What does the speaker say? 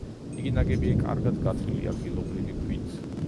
იგი ნაგებია კარგად გათლილი ადგილობრივი ქვით.